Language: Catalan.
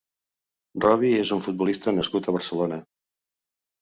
Robi és un futbolista nascut a Barcelona.